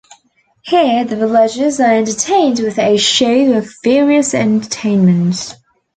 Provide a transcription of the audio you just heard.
Here the villagers are entertained with a show of various entertainments.